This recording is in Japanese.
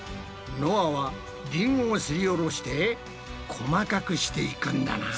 のあはリンゴをすりおろして細かくしていくんだな。